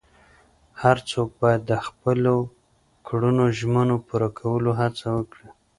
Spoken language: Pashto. هر څوک باید د خپلو کړو ژمنو پوره کولو هڅه وکړي.